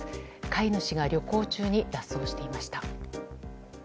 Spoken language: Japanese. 飼い主が旅行中に脱走していました。